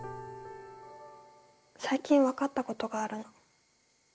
最近分かったことがあるの。